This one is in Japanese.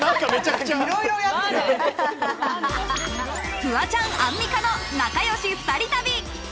フワちゃん、アンミカの仲良し２人旅。